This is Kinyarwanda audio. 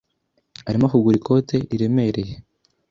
arimo kugura ikote riremereye.